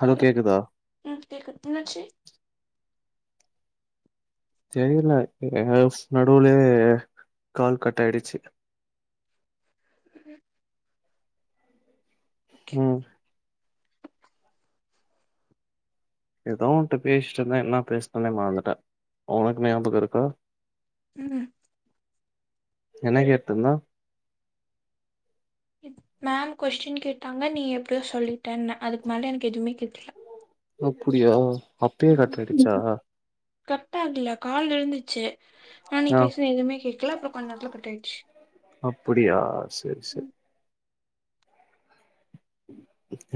hello கேக்குதா ம் கேக்குது என்னாச்சி தெரியல எஸ் நடுவுலே கால் கட்ஆயிடுச்சு [inaudible] ஓகே ம் ஏதோன் ஒண்ட பேசிட்டுந்தே என்ன பேசனே மறந்துட்டே ஒனக்கு ஞாபக இருக்கா ம் என்னக்கேத்துந்த மேம் கொஸ்டின் கேட்டாங்க நீ எப்டியோ சொல்லிட்டேனே அதுக்கு மேல எனக்கு எதுவுமே கேக்கல அப்டியா அப்பயே கட் ம் ஆயிடுச்சா கட் ஆகல கால் இருந்துச்சு ஆ நீ பேசுன எதுமே கேக்கல அப்ரோ கொஞ்ச நேத்துல கட் ஆயிட்ச்சு அப்படியா சேர் சேர்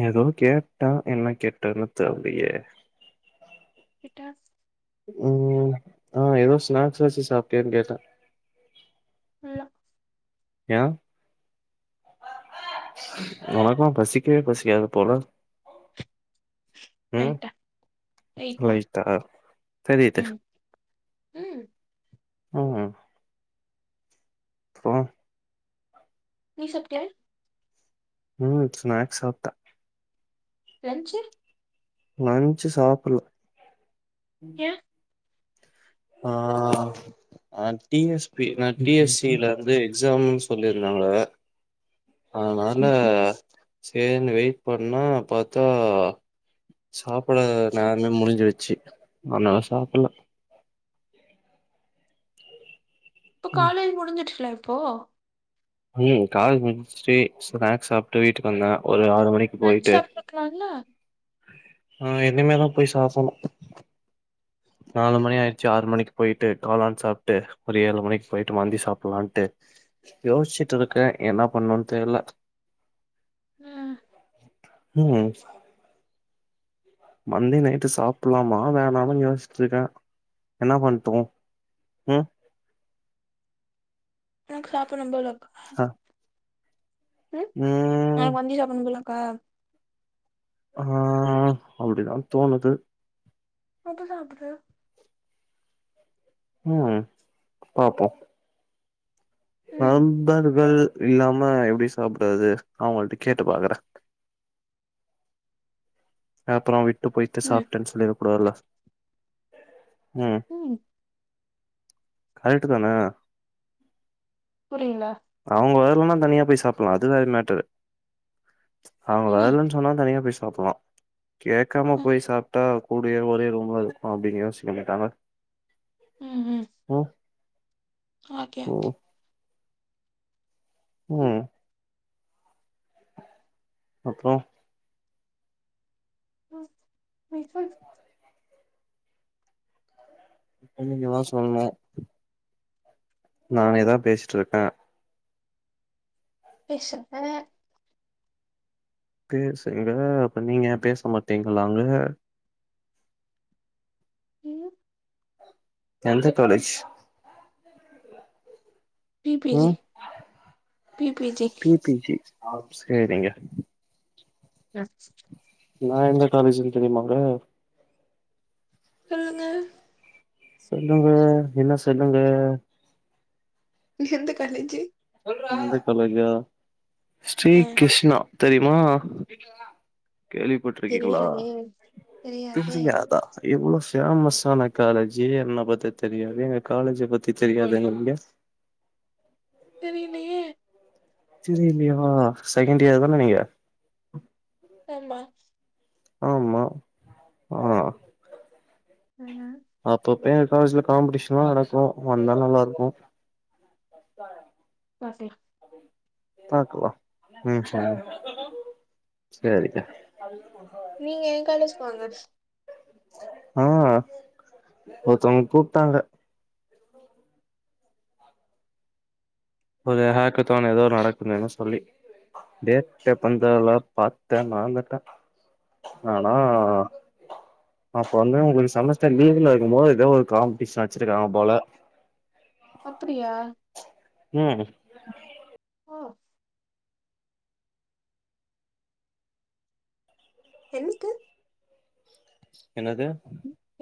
ஏதோ கேட்ட என்ன கேட்டதுன்னு தெர்லையே [unintelligible] ம் ஆ ஏதோ ஸ்நாக்ஸ்சாச்சு சாப்டியான்னு கேட்ட இல்ல ஏ ஒணக்கலா பசிக்கவே பசிக்காது போல ம் லைட்டா லைட்டா தெரியுது ம் ம் ம் அப்ரோ நீீ சாப்டயா ம் ஸ்நாக்ஸ் சாப்ட லஞ்ச்சு லஞ்சு சாப்பல ஏ ஆ அ டி எஸ் பி நா டி எஸ் சி ல இரு து எக்ஸாம்னு சொல்லிருந்தாங்க அதனால சேர்னு வெயிட் பண்ணா பாத்தா சாப்பட நேரமே முடிஞ்சுடுச்சு அதனால சாப்ட்ல்ல இப்ப காலேஜ் முடுஞ்சிடுசில இப்போ ம் காலேஜ் முடிச்சுடு ஸ்நாக்ஸ் சாப்ட்டு வீட்டுக்கு வந்தே ஒரு ஆறு மணிக்கு லஞ்ச் போயிட்டு சாப்ட்ருக்கலால ஆ இனிமேத போய் சாப்புட்ணு நாலு மணி ஆயிடுசு ஆறு மணிக்கு போயிட்டு காளான் சாப்ட்டு ஒரு ஏழு மணிக்கு போயிட்டு மருபடியு சாப்படலான்ட்டு யோசிச்சுட்டு இருக்கே என்ன பண்ணுன்னு தெர்ல ம் ம் மந்தி நைட்டு சாப்டுலாமா வேணாமனு யோசிட்டு இருக்கே என்ன பண்ணட்டு எனக்கு சாப்புணு போலஇருக்கு அ ம் நா வண்டில வரணும் போலக்கா ஆ அப்படிதா தோணுது எப்ப சாப்பட்ற ம் பாப்போ ம் நண்பர்கள் இல்லாம எப்டி சாப்டறாது நா அவுங்கள்ட்ட கேட்டு பாக்குறே அப்புறோ விட்டு போய்ட்டு ம் சாப்டன் சொல்லிட கூடாதுல ம் கரெக்ட்டுதானே புரியில அவுங்க வர்லனா தனியா போய் சாப்பிப்லா அது வேற மேட்டரு அவுங்க ம் வரலன்ன் சொன்னா தனியா போய் சாப்பில்லா கேக்காம ம் போய் சாப்ட்டா கூடிய ஒரே ரூம்ல இருக்கு அப்டீனு யோசிக்க மாட்டாங்க ம் ம் ம் ஓகே ஓகே ம் ம் அப்றோ [unintelligible] நீங்கதா சொல்னு நானேதா பேசிட்ருக்கே பேசுங்க பேசுங்க அப்ப நீங்க பேச மாட்டீங்களாங்க ம் எந்த காலேஜ் பி பி ஜி ம் பி பி ஜி பிபிஜி சேரிங்க [inaudible] நா எந்த காலேஜின் தெரியுமாங்க சொல்லுங்க சொல்லுங்க என்ன சொல்லுங்க எந்த காலேஜு எந்தக் கலேஜா ஸ்ரீ ஆ கிஷ்ணா தெரிமா கேள்வி பட்ருக்கீங்ளா தெரியாதே தெரியாதே தெரியாதா எவ்ளோ ஃபேமஸான காலேஜு என்ன பத்தி தெரியாது எங்க காலேஜ பத்தி தெரியாதுங்றீங்க தெரிலயே தெரிலியா செகெண்ட் யேர் தான நீங்க ஆமா ஆமா ஆ ஆமா அப்பப்ப எங்க காலேஜ்ல காம்படீஷன்லா நடக்கு வந்தா நல்லா இருக்கு [unintelligible] பாக்கலா ம் செரி செரிங்க நீங்க ஏ காலேஜ்க் வாங்க ஆ ஒருத்தவ்ங்க கூப்ட்டாங்க ஒரு ஹாக்கதான் எதோ நடக்குதுன் சொல்லி டேட் எப்பந் தெர்ல பாத்தே மறந்துட்டே ஆனா அப்ப வந்து உங்களுக்கு செம்மஸ்டர் லீவ்ல இருக்கும் போது எதோ ஒரு காம்பிடிஷன் வெச்சிருக்காங்க போல அப்படியா ம் ஒ என்து என்னது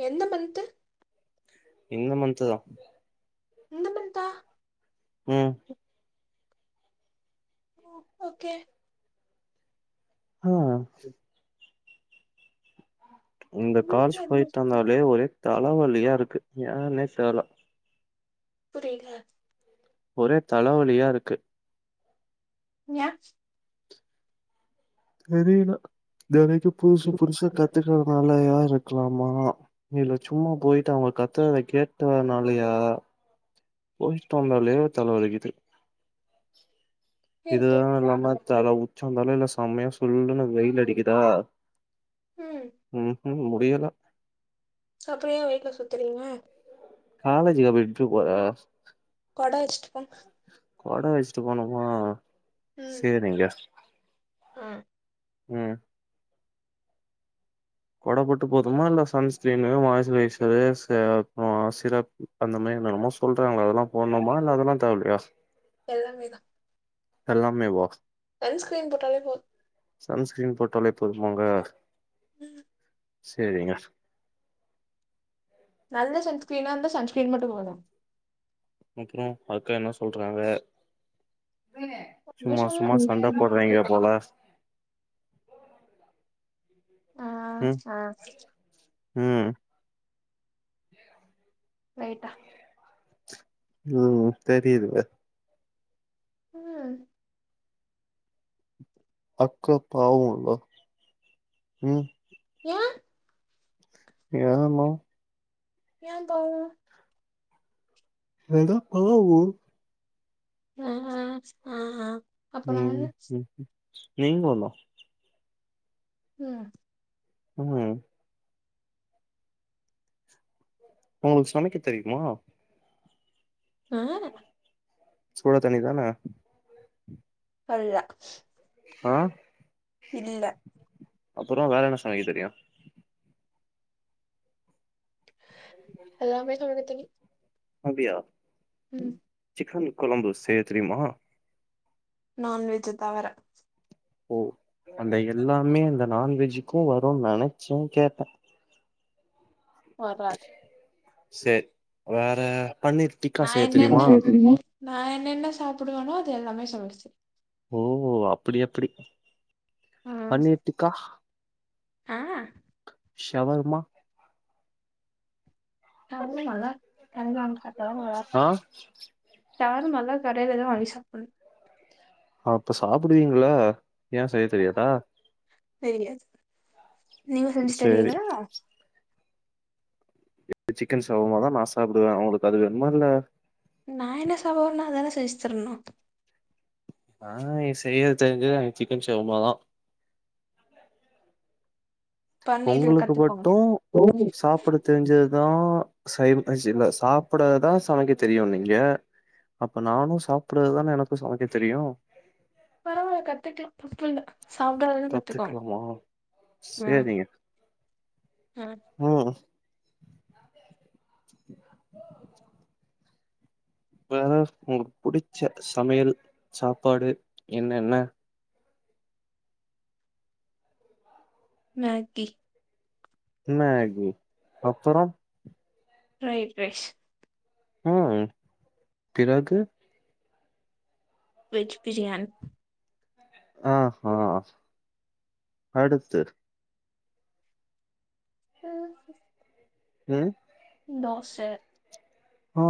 எந்த மன்த்து இந்த மந்த்து தா இந்த மன்தா ம் ஓ ஓகே அ இந்த கால்ஜ் போயிட்டு வந்தாலே ஒரே தல வலியா இருக்கு ஏனே தெர்ல புரிய்லா ஒரே தல வலியா இருக்கு ஏ தெரில தெனைக்கு புதுசு புதுசா கத்துக்கறதுனாலயா இருக்கலாமா இல்ல சும்மா போயிட்டு அவுங்க கத்தறத கேட்டு வரனாலயா போயிட்டு வந்தாலே தல வலிக்குது இது இருக்கு தா இல்லாம தல உச்சந் தலைய்ல செம்மையா சுல்லுனு வெயிலடிக்குதா ம் ம் ஹும் முடியல அப்ற ஏ வெய்ட்ல சுத்துறீங்க காலேஜிக்கு அப்ற எப்டி போக கொட வெச்சிட்டு போங் கொட வெச்சிட்டு போனுமா ம் சேரிங்க ம் ம் கொட மட்டு போதுமா இல்ல சன்ஸ்கிரீனு மாய்சுரைசரு சே அப்றோ சிரப் அந்த மாரி என்னென்னமோ சொல்றாங்க அதெல்லா போடணுமா இல்ல அதெல்லா தேவயில்லயா எல்லாமே தா எல்லாமே வா சன்ஸ்கிரீம் போட்டாலே போது சன்ஸ்கிரீன் போட்டாலே போதுமாங்க ம் சேரிங்க நல்ல சன்ஸ்கிரீனா இருந்தா சன்ஸ்கீம் மட்டு போது அப்றோ அக்கா என்ன சொல்றாங்க ஒன்னு சும்மா சொல்லல சும்மா சண்ட போட்றாய்ங்கா போல ஆ ம் அ ம் லைட்டா ம் தெரியிதில்ல ம் அக்கா பாவல்லோ ம் ஏ ஏனா ஏம்பவ் எதா பாவோ அ அ ஆ ஆ அப்ப நானு ம் நீங்க போலா யா ம் உங்களுக்கு சமைக்க தெரியுமா நல்லால சூட தண்ணி தான [unintelligible] ஆ இல்ல அப்பறோ வேற என்ன சமைக்க தெரியு அல்லாமே சமைக்கத் தெரியு அப்டியா ம் சிக்கன் கொழம்பு செய்ய தெரிமா நான்வெஜ்ஜ தவற ஓ அந்த எல்லாமே அந்த நான்வெஜுக்கு வருன் நெனச்சே கேட்டே வராது சர் வேற பண்ணிர் நா என்னென்ன நா என்னென்ன சாப்பிடுவோனோ அது எல்லாமே சமைக்க தெ ஓ அப்படி அப்படி ம் பண்ணிட்டுக்கா ஆ ஷவர்மா [unintelligible] ஆ சவர்மல்லா கடையில தா வாங்கிசாப்னு அப்ப சாப்பிடுவீங்கள ஏ செய்ய தெரியாதா தெரியாது நீங்க சேரி செஞ்சித்தரிங்களா சிக்கன் சவர்மாதா நா சாப்புடுவே அவங்களுக்கு அது வேணுமா இல்ல நா என்ன சவர்மா தான செஞ்சுத்தரணு ஆ செய்ய தெரிஞ்சது அங்க சிக்கன் செவமாதா பன்னீர்ல ஒங்களுக்கு மட்டு கத்துக்கோங்க சாப்பட தெரிஞ்சதுதா சை இல்ல சாப்பிடதா சமைக்க தெரியுநீங்க அப்ப நானு சாப்பறதுதான எனக்கு சமைக்க தெரியு பரவால்ல கத்துக்கலா தப்புல்ல சாப்டாதது கத்துக்கோ கத்துக்கலாமா ம் சேரிங்க ம் ம் [inaudible] வேற உங்களுக்கு புடிச்ச சமையல் சாப்பாடு என்னென்ன மேக்கி மேகி அப்பறம் ப்ரைட் ரைஸ் ம் திரகு வெஜ் பிரியாண் அ ஹா அடுத்து ஆ [unintelligible] ம் தோச ஆ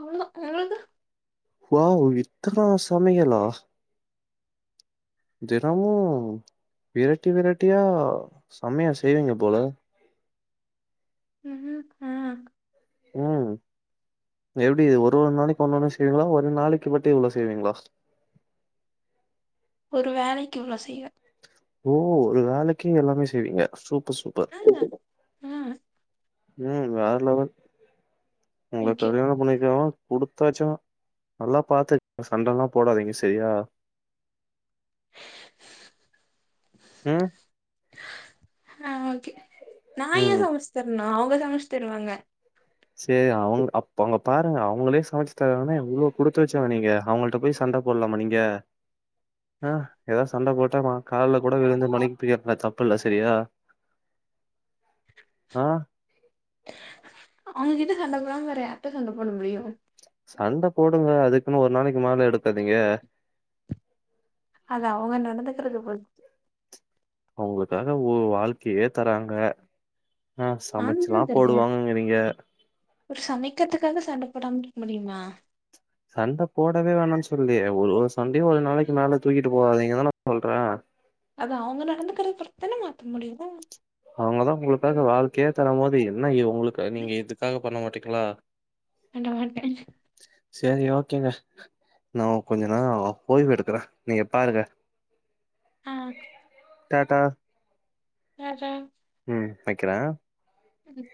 அவ்ள தா அ வாவ் இத்தனா சமயலா தினமு வெரட்டி வெரட்டியா செமயா செய்வீங்க போல ம் ம் அ உம் எப்டி ஒரு ஒரு நாளைக்கு ஒன் ஒன்னு செய்வீங்களா ஒரு நாளைக்கு மட்டு இவ்ளோ செய்வீங்ளா ஒரு வேளைக்கு இவ்ளோ செய்வ ஓ ஒரு வேளைக்கு எல்லாமே செய்வீங்க சூப்பர் சூப்பர் ஆ, ஆ, உம் வேற லெவல் உங்கள கல்யாண பண்ணிகரவ குடுத்து வெச்சவன் நல்லா பாத்துகங்க சண்டல்லா போடாதீங்க சரியா ம் ஆ ஓக்கே நா ம் ச்சு தரணு அவங்க தா முச்சு தருவாங்க சேரி அவுங்க அப் அங்க பாருங்க அவங்களே சமச்சு தராகன்னா எவ்ளோ குடுத்து வச்சவங்க நீங்க அவங்கள்ட்ட போயி சண்ட போட்லாமா நீங்க அ ஏதா சண்ட போட்டா நா கால்ல கூட விழுந்து மனிப்பு கேப்பே தப் பில்ல சரியா அ அவுங்ககிட்ட சண்ட போடாம வேற யார்ட்ட சண்ட போட முடியு சண்ட போடுங்க அதுக்குன்னு ஒரு நாளைக்கு மேல எடுக்காதீங்க அது அவங்க நடந்துக்கிறத பொருத்து உங்களுக்காக ஓ வாழ்க்கயே தராங்க ச நானும் சமச்சில்லா தான தரேன் போடுவாங்கங்கிறீங்க ஒரு சமக்கிறதுக்காக சண்டப்போடாம இருக்க முடியுமா சண்ட போடவே வேணான்னு சொல்லயே ஒரு சண்டய ஒரு நாளக்கு மேல தூக்கிட்டு போகாதீங்கதான சொல்றே அது அவுங்க நடந்துக்கிற பொறுத்து தான மாத்த முடியு அவுங்கதா உங்களுகாக வாழ்க்கயே தரம் போது என்ன இவங் உங்களு அது நீங்க இதுக்காக பண்ண மாட்டீங்ளா பண்ண மாட்ட சேரி ஓக்கேங்க நாம்ம கொஞ்ச நேரோ ஓய்வு எடுக்குற நீங்க பாருங்க ஆ டாடா டா டா ம் வெக்குறே ம்